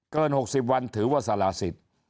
เกิน๖๐วันถือว่าสารสิทธิ์